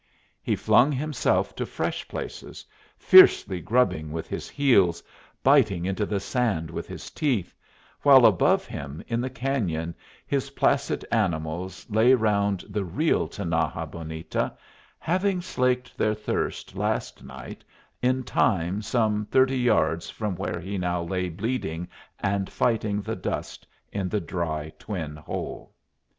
He flung himself to fresh places, fiercely grubbing with his heels, biting into the sand with his teeth; while above him in the cañon his placid animals lay round the real Tinaja Bonita, having slaked their thirst last night, in time, some thirty yards from where he now lay bleeding and fighting the dust in the dry twin hole.